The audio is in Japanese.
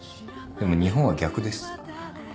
でも日本は逆です。